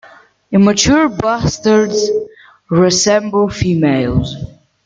Immature bustards resemble females.